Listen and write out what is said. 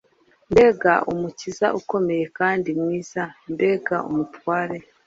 Mbega umukiza ukomeye kandi mwiza mbega umutware